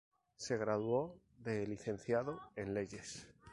Se graduó de licenciado en Leyes.